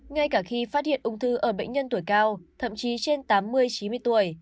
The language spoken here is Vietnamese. ngay cả khi phát hiện ung thư ở bệnh nhân tuổi cao thậm chí trên tám mươi chín mươi tuổi